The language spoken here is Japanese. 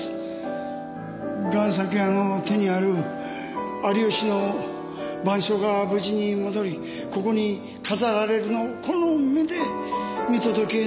贋作家の手にある有吉の『晩鐘』が無事に戻りここに飾られるのをこの目で見届けなければならない。